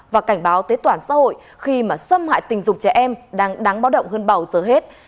và cảnh báo tới toàn xã hội khi mà xâm hại tình dục trẻ em đang đáng báo động hơn bao giờ hết